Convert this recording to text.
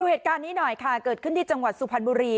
เหตุการณ์นี้หน่อยค่ะเกิดขึ้นที่จังหวัดสุพรรณบุรี